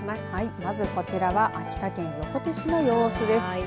まずこちらは秋田県横手市の様子です。